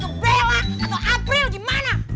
kalau itu bella atau afri gimana